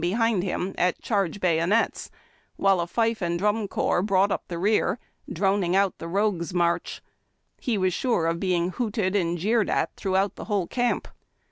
behind him at "charge bayonets," while a 156 IIABD TACK ANIJ COFFEE. fife find drum corps brought up the rear, di'oning out the " Rogue's March." He was sure of being hooted and jeered at throughout the Avhole camp.